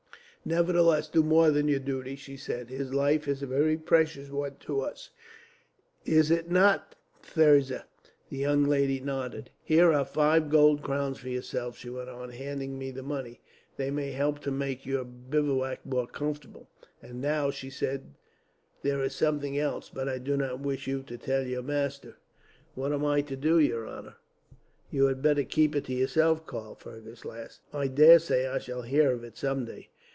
"'Nevertheless, do more than your duty,' she said. 'His life is a very precious one to us. "'Is it not, Thirza?' "The young lady nodded. "'Here are five gold crowns for yourself,' she went on, handing me the money. 'They may help to make your bivouac more comfortable. "'And now,' she said, 'there is something else, but I do not wish you to tell your master.' "What am I to do, your honour?" "You had better keep it to yourself, Karl," Fergus laughed. "I daresay I shall hear of it, someday."